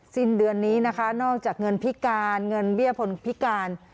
สิ้นเดือนนี้นะคะนอกจากเงินพิการเงินเบี้ยคนพิการ